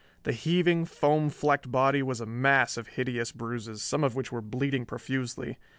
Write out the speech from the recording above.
The heaving, foam flecked body was a mass of hideous bruises, some of which were bleeding profusely.